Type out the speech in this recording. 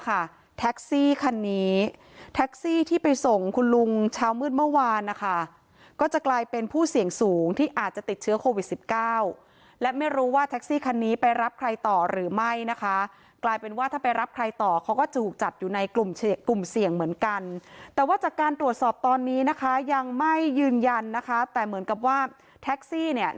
แท็กซี่คันนี้แท็กซี่ที่ไปส่งคุณลุงเช้ามืดเมื่อวานนะคะก็จะกลายเป็นผู้เสี่ยงสูงที่อาจจะติดเชื้อโควิดสิบเก้าและไม่รู้ว่าแท็กซี่คันนี้ไปรับใครต่อหรือไม่นะคะกลายเป็นว่าถ้าไปรับใครต่อเขาก็ถูกจัดอยู่ในกลุ่มกลุ่มเสี่ยงเหมือนกันแต่ว่าจากการตรวจสอบตอนนี้นะคะยังไม่ยืนยันนะคะแต่เหมือนกับว่าแท็กซี่เนี่ย